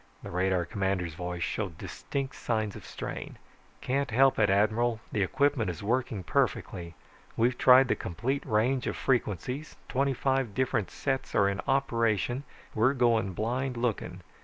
The radar commander's voice showed distinct signs of strain. "Can't help it, Admiral. The equipment is working perfectly. We've tried the complete range of frequencies, twenty five different sets are in operation, we're going blind looking.